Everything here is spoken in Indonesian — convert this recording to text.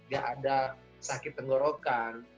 gak ada sakit tenggorokan